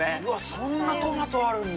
そんなトマトあるんだ。